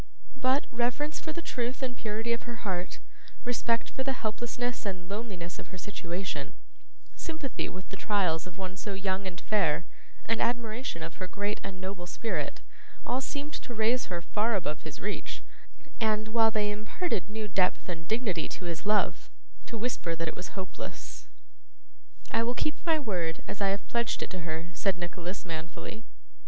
But, reverence for the truth and purity of her heart, respect for the helplessness and loneliness of her situation, sympathy with the trials of one so young and fair and admiration of her great and noble spirit, all seemed to raise her far above his reach, and, while they imparted new depth and dignity to his love, to whisper that it was hopeless. 'I will keep my word, as I have pledged it to her,' said Nicholas, manfully.